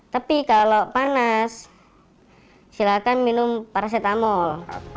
tapi kalau panas silakan minum paracetamol